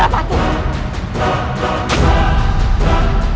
kau akan menang